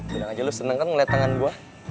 bilang aja lu seneng kan melihat tangan gue